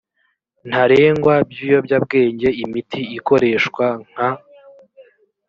ntarengwa by ibiyobyabwenge imiti ikoreshwa nka